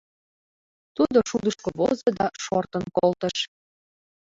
Тудо шудышко возо да шортын колтыш.